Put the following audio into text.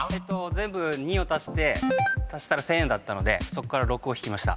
全部２を足して足したら１，０００円だったのでそこから６を引きました。